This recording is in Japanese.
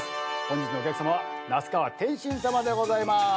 本日のお客さまは那須川天心さまでございます。